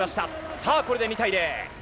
さあ、これで２対０。